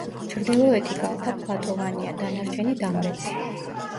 ჩრდილოეთი კალთა ფლატოვანია, დანარჩენი დამრეცი.